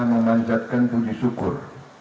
memanjatkan puji syukur